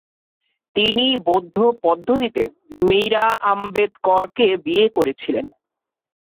তিনি বৌদ্ধ পদ্ধতিতে মীরা আম্বেদকরকে বিয়ে করেছিলেন।